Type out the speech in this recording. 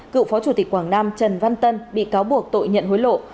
cựu phó chủ tịch quảng nam trần văn tân bị cáo buộc tội nhận hối lộ